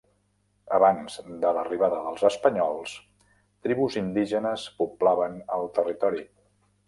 Abans de l'arribada dels espanyols, tribus indígenes poblaven el territori.